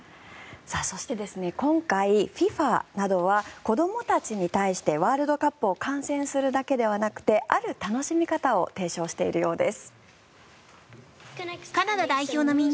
そして今回、ＦＩＦＡは子どもたちに対してワールドカップを観戦するだけではなくてある楽しみ方を提唱しているようです。